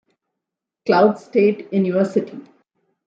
Cloud State University.